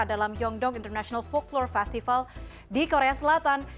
dalam yongdong international folklore festival di korea selatan